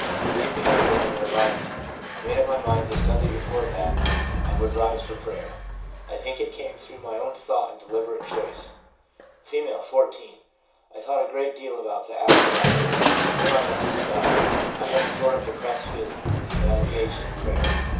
Relief came during a revival. I made up my mind the Sunday before that I would rise for prayer ; I think it came through my own thought and deliberate choice/ F., 14. ' I thought a great deal about the after life, and knew I must de cide; I had a sort of depressed feeling, and I engaged in prayer.